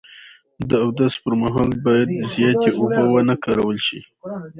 د اودس پر مهال باید زیاتې اوبه و نه کارول شي.